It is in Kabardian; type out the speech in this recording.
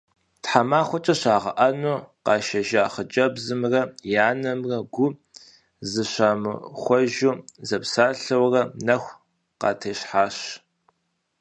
Тхьэмахуэкӏэ щагъэӏэну къашэжа хъыджэбзымрэ и анэмрэ гу зыщамыхуэжу зэпсалъэурэ нэху къатещхьащ.